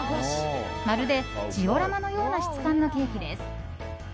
まるでジオラマのような質感のケーキです。